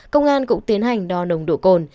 công an cũng tiến hành đo nồng độ cồn